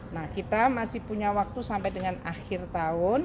nah kita masih punya waktu sampai dengan akhir tahun